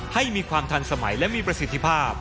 ให้มีความทันสมัยและมีประสิทธิภาพ